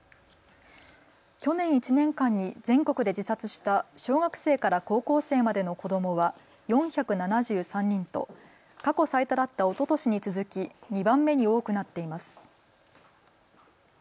去年１年間に全国で自殺した小学生から高校生までの子どもは４７３人と過去最多だったおととしに続き２番目に多くなっています。